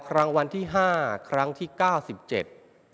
รางวัลที่ห้าครั้งที่เก้าสิบเจ็ด